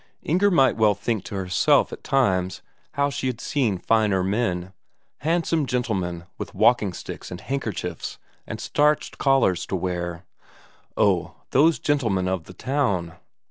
Inger might well think to herself at times how she had seen finer men; handsome gentlemen with walking sticks and handkerchiefs and starched collars to wear oh, those gentlemen of the town!